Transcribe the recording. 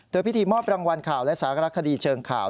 โดยพิธีมอบรางวัลข่าวและสารคดีเชิงข่าว